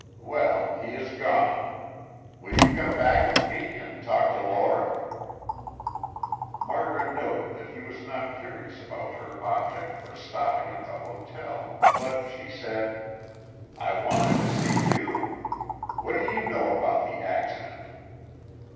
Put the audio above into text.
Well, he has gone. Will you come back with me and talk to Laura?" Margaret noted that he was not curious about her object for stopping at the hotel, but she said, "I wanted to see you. What do you know about the accident?"